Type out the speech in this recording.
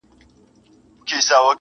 خامخا یې کر د قناعت ثمر را وړی دی.